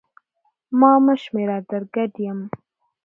ما مه شمېره در ګډ یم!